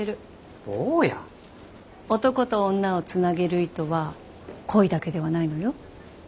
男と女をつなげる糸は恋だけではないのよ。